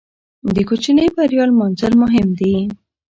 د کوچنۍ بریا لمانځل مهم دي.